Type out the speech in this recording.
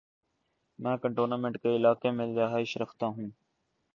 میں کینٹونمینٹ کے علاقے میں رہائش رکھتا ہوں۔